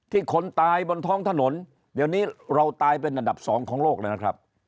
คนตายบนท้องถนนเดี๋ยวนี้เราตายเป็นอันดับสองของโลกเลยนะครับ